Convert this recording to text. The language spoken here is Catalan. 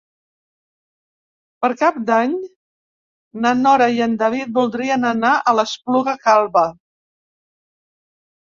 Per Cap d'Any na Nora i en David voldrien anar a l'Espluga Calba.